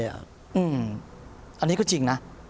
อันนี้ก็จริงนะ